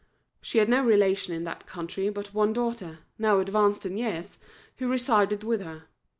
She had no relation in that country but one daughter, now advanced in years, who resided with her.